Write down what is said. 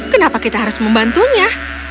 kenapa kita harus membantunya